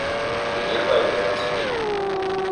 Inork ba al du erantzunik?